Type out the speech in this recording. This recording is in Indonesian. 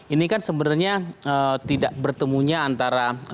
ini kan sebenarnya tidak bertemunya antara